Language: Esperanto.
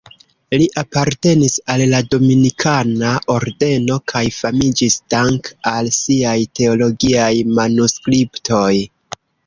Li apartenis al la Dominikana Ordeno kaj famiĝis dank'al siaj teologiaj manuskriptoj.